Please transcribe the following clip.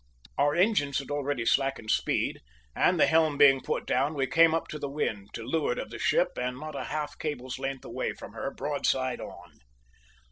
Our engines had already slackened speed; and, the helm being put down, we came up to the wind, to leeward of the ship and not a half cable's length away from her, broadside on.